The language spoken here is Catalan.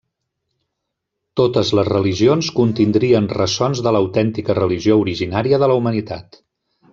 Totes les religions contindrien ressons de l'autèntica religió originària de la humanitat.